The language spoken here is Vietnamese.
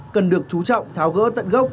cần được chú trọng tháo gỡ tận gốc